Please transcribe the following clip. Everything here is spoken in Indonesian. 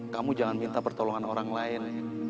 kamu jangan minta pertolongan orang lain